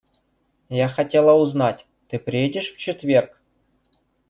Я хотела узнать, ты приедешь в четверг?